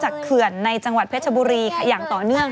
เขื่อนในจังหวัดเพชรบุรีอย่างต่อเนื่อง